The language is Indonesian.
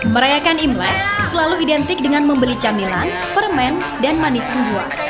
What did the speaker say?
merayakan imlek selalu identik dengan membeli camilan permen dan manis buah